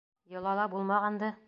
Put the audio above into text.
Йолала булмағанды.